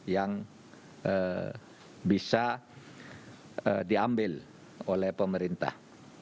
yang bisa diambil oleh pemerintah